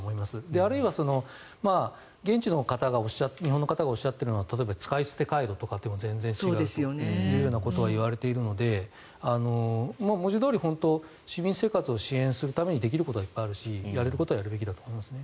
あるいは現地の日本の方がおっしゃっているのは使い捨てカイロとかでも全然違うということは言われているので文字どおり市民生活を支援するためにできることはいっぱいあるしやれることはやるべきだと思いますね。